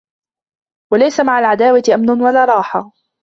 وَلَيْسَ مَعَ الْعَدَاوَةِ أَمْنٌ وَلَا رَاحَةٌ